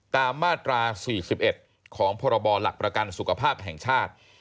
ตามมาตรา๔๑ของพรบหลักประกันสุขภาพแห่งชาติ